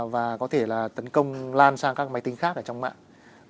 và có thể là tấn công lan sang các máy tính khác ở trong mạng